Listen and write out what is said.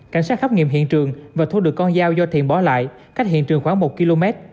cảnh sát khám nghiệm hiện trường và thu được con dao do thiện bỏ lại cách hiện trường khoảng một km